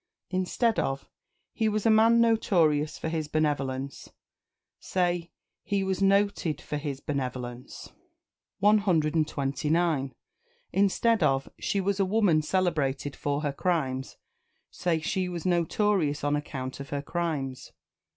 Instead of "He was a man notorious for his benevolence," say "He was noted for his benevolence." 129. Instead of "She was a woman celebrated for her crimes," say "She was notorious on account of her crimes."